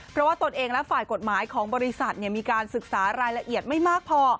เพราะว่าตนเองและฝ่ายกฎหมายของบริษัทมีการศึกษารายละเอียดไม่มากพอ